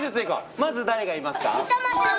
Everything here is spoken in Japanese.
まず誰がいますか？